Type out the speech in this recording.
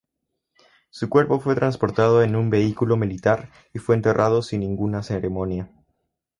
Su cuerpo fue transportado en un vehículo militar y fue enterrado sin ninguna ceremonia.